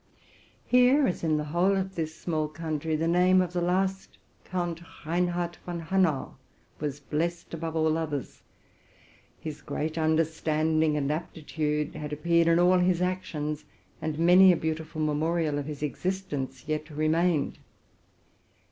Here, as in the whole of this small country, the name of the last Count Reinhard von Hanau was blessed above all others: his great understanding and ap titude had appeared in all his actions, and many a 'beautiful memorial of his existence yet remained.